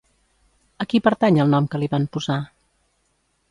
A qui pertany el nom que li van posar?